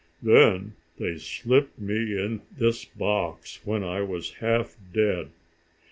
Then they slipped me in this box when I was half dead.